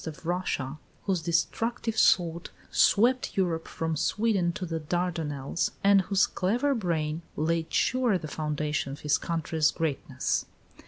of Russia, whose destructive sword swept Europe from Sweden to the Dardenelles, and whose clever brain laid sure the foundation of his country's greatness.